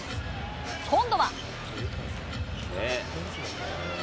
今度は。